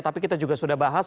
tapi kita juga sudah bahas